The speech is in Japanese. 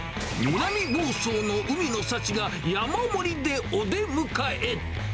南房総の海の幸が山盛りでお出迎え。